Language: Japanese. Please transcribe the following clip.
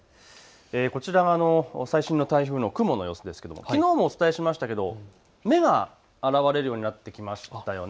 こちら、最新の台風の雲の様子ですがきのうもお伝えしましたが目が現れるようになってきましたよね。